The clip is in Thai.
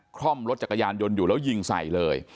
คล่อมรถจักรยานยนต์อยู่แล้วยิงใส่เลย